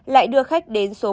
lại đưa khách đến nha trang